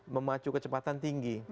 memacu kecepatan tinggi